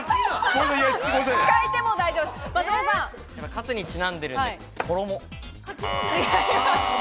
カツにちなんでるんでコロモ。